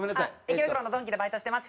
池袋のドンキでバイトしてます。